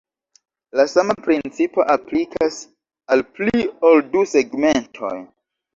La sama principo aplikas al pli ol du segmentoj.